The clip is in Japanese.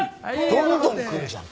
どんどん来るじゃん。